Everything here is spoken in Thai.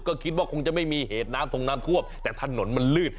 ก็คิดว่าคงจะไม่มีเหตุน้ำทงน้ำท่วมแต่ถนนมันลื่น